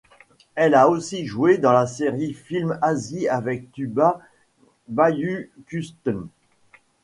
Elle a aussi joué dans la série film Asi avec Tuba Buyukustun.